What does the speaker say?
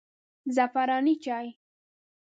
زعفراني چای